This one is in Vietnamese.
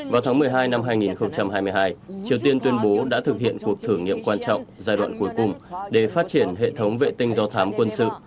vào tháng một mươi hai năm hai nghìn hai mươi hai triều tiên tuyên bố đã thực hiện cuộc thử nghiệm quan trọng giai đoạn cuối cùng để phát triển hệ thống vệ tinh do thám quân sự